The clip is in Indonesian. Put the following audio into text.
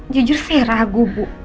jujur saya ragu bu